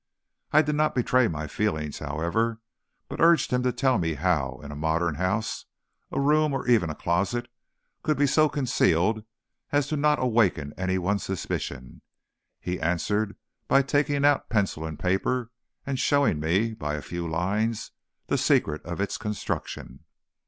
I did not betray my feelings, however, but urged him to tell me how in a modern house, a room, or even a closet, could be so concealed as not to awaken any one's suspicion. He answered by taking out pencil and paper, and showing me, by a few lines, the secret of its construction.